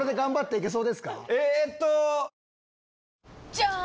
じゃーん！